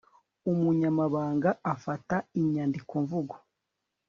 umunyamabanga afata inyandiko mvugo